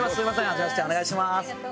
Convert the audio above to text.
改めましてお願いします。